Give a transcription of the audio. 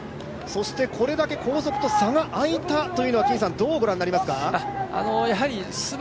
これだけ後続と差が開いたというのは、どうご覧になりますか？